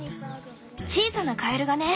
小さなカエルがね